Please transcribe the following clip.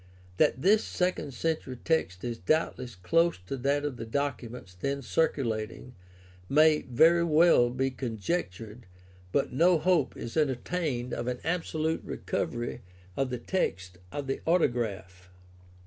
That this second century text is doubtless close to that of the documents then circulating may very well be conjectured, but no hope is entertained of an absolute recovery of the text of the autograph.